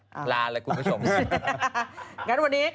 สวัสดีคุณผู้ชม